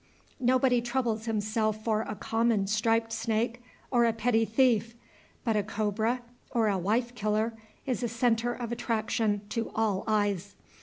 Nobody troubles himself for a common striped snake or a petty thief, but a cobra or a wife killer is a centre of attraction to all eyes.